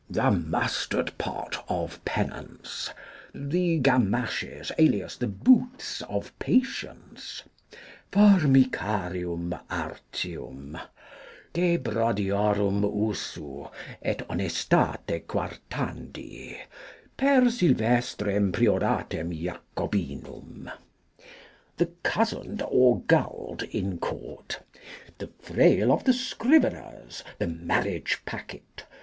The Mustard pot of Penance. The Gamashes, alias the Boots of Patience. Formicarium artium. De brodiorum usu, et honestate quartandi, per Sylvestrem Prioratem Jacobinum. The Cosened or Gulled in Court. The Frail of the Scriveners. The Marriage packet.